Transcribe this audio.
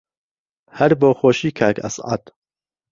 هەر بۆ خۆشی کاک ئەسعەد